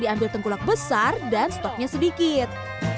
diambil tengkulak besar dan stoknya sedikit